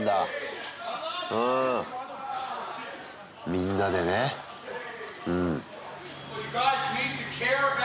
みんなでねうん。